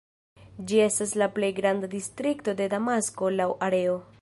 Ĝi estas la plej granda distrikto de Damasko laŭ areo.